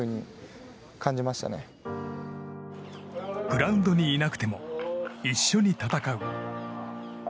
グラウンドにいなくても一緒に戦う。